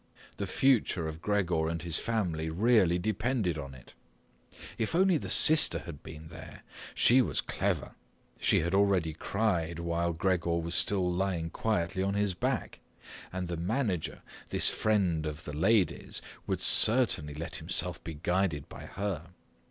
The future of Gregor and his family really depended on it! If only the sister had been there! She was clever. She had already cried while Gregor was still lying quietly on his back. And the manager, this friend of the ladies, would certainly let himself be guided by her.